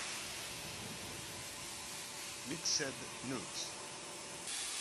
Mixed Nuts